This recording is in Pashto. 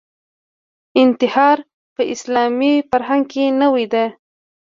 انتحار په اسلامي فرهنګ کې نوې ده